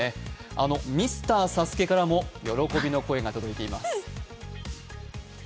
あのミスターＳＡＳＵＫＥからも喜びの声が届いています。